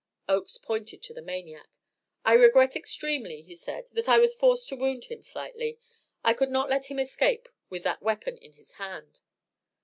Oakes pointed to the maniac. "I regret extremely," he said, "that I was forced to wound him slightly. I could not let him escape with that weapon in his hand."